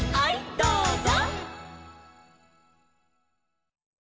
どうぞ」